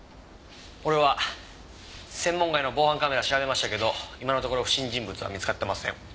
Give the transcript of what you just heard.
「俺は専門外の防犯カメラ調べましたけど今のところ不審人物は見つかってません」